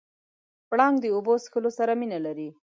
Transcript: پړانګ د اوبو څښلو سره مینه لري.